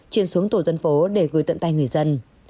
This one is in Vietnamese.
trên xuống tổ dân phố để gửi tận tay người dân